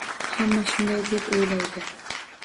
Hamma shunday deb o`ylaydi